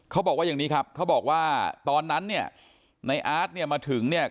เขาบอกว่าอย่างนี้ครับเขาบอกว่าตอนนั้นเนี่ยในอาร์ตเนี่ยมาถึงเนี่ย